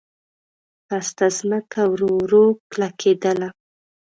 پسته ځمکه ورو ورو کلکېدله.